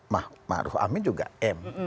pak maruf amin juga m